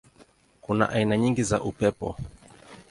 Kuna aina nyingi za upepo.